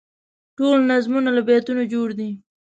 ټول نظمونه له بیتونو جوړ دي.